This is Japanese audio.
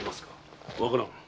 わからん。